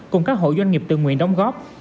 cùng các hội doanh nghiệp tự nguyện đóng góp